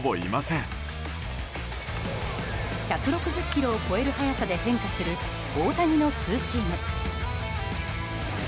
１６０キロを超える速さで変化する大谷のツーシーム。